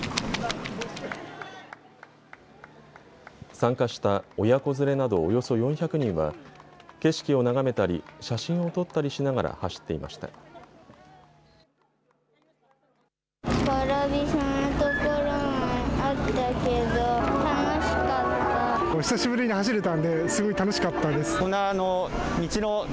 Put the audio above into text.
参加した親子連れなどおよそ４００人は景色を眺めたり写真を撮ったりしながら走っていました。